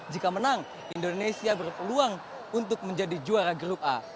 jika menang indonesia berpeluang untuk menjadi juara grup a